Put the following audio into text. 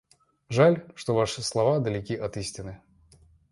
Жаль, что ваши слова далеки от истины.